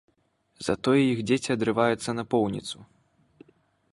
Затое іх дзеці адрываюцца напоўніцу.